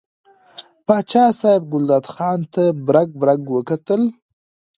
پاچا صاحب ګلداد خان ته برګ برګ وکتل.